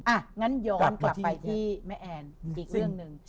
อ่ะงั้นย้อนกลับไปที่แม่แอนอีกเรื่องหนึ่ง